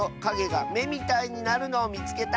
がめみたいになるのをみつけた！」。